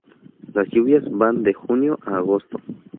Las lluvias van de junio a agosto.